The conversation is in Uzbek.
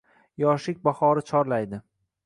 Yoshlik bahori chorlaydi